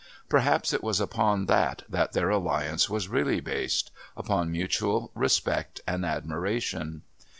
Perhaps it was upon that that their alliance was really based upon mutual respect and admiration.